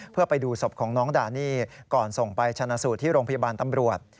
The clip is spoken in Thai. เพื่อไปดูศพของน้องดานี่ก่อนส่งไปชนะสูตรที่โรงพยาบาลตำรวจ